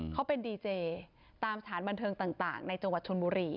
เขาเป็นดีเจตามสถานบันเทิงต่างในจังหวัดชนบุรี